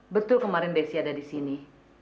betul kemarin desi ada disini